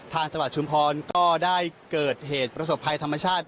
จังหวัดชุมพรก็ได้เกิดเหตุประสบภัยธรรมชาติ